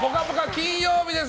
金曜日です。